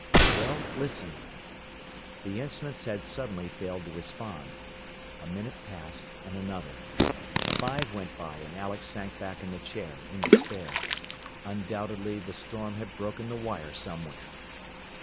"Well, listen " The instruments had suddenly failed to respond. A minute passed, and another. Five went by, and Alex sank back in the chair in despair. Undoubtedly the storm had broken the wire somewhere.